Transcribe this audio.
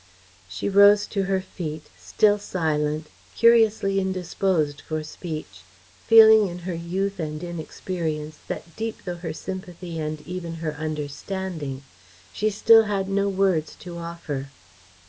She rose to her feet, still silent, curiously indisposed for speech, feeling in her youth and inexperience that deep though her sympathy and even her understanding, she still had no words to offer.